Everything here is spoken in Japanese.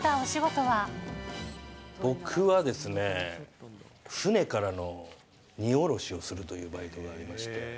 僕はですね、船からの荷下ろしをするというバイトがありまして。